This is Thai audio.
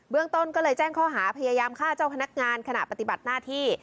ต้นก็เลยแจ้งข้อหาพยายามฆ่าเจ้าพนักงานขณะปฏิบัติหน้าที่